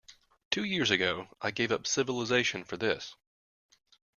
Two years ago I gave up civilization for this.